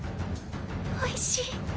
おいしい。